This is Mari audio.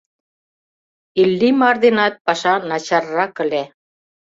Иллимар денат паша начаррак ыле.